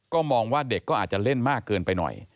ก็มองว่าเด็กก็อาจจะเล่นมากเกินไปหน่อย